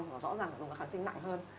rõ ràng phải dùng kháng sinh nặng hơn